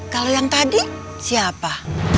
kalau yang tadi siapa